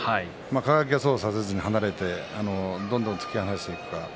輝はそうさせずに離れてどんどん突き放していくか。